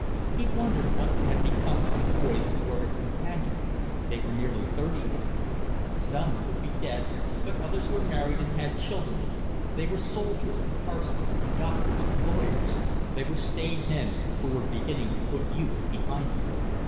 He wondered what had become of the boys who were his companions: they were nearly thirty now; some would be dead, but others were married and had children; they were soldiers and parsons, doctors, lawyers; they were staid men who were beginning to put youth behind them.